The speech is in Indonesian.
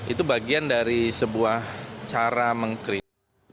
itu bagian dari sebuah cara mengkritik